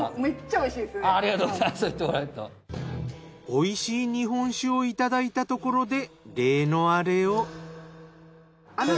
美味しい日本酒をいただいたところで例のアレを。